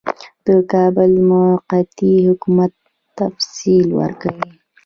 د کابل د موقتي حکومت تفصیل ورکوي.